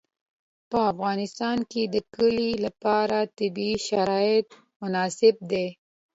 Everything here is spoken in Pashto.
په افغانستان کې د کلي لپاره طبیعي شرایط مناسب دي.